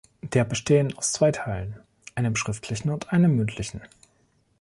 Der bestehen aus zwei Teilen, einem schriftlichen und einem mündlichen.